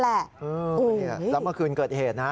ต่างประคุณเกิดอีเหตุนะ